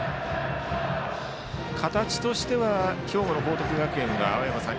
形としては、兵庫の報徳学園は青山さん